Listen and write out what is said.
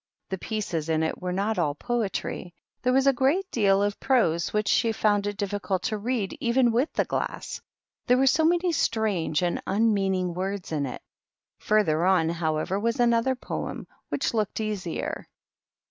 The pieces in it wer not all poetry ; there was a great deal of prose which she found it difficult to read, even wit] the glass, there were so many strange and un meaning words in it. Farther on, however, wa another poem, which looked easier.